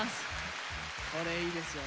これいいですよね。ね！